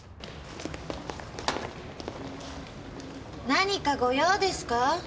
何かご用ですか？